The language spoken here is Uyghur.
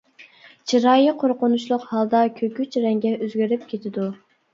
چىرايى قورقۇنچلۇق ھالدا كۆكۈچ رەڭگە ئۆزگىرىپ كېتىدۇ.